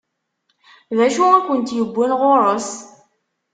D acu i kent-iwwin ɣur-s?